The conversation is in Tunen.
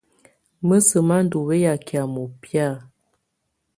Mǝ́sǝ́ má ndɔ̀ wɛya kɛ̀á mɔ́bɛ̀á.